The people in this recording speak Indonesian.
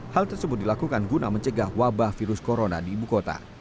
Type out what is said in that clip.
hal tersebut dilakukan guna mencegah wabah virus corona di ibu kota